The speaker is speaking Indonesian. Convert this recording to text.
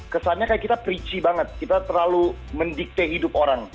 kesannya kayak kita preci banget kita terlalu mendikte hidup orang